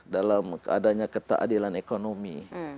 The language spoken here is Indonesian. dalam keadanya ketaadilan ekonomi